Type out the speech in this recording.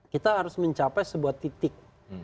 kita harus mencapai sebuah titik